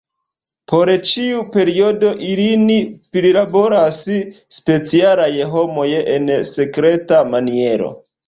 Por ĉiu periodo ilin prilaboras specialaj homoj en sekreta maniero.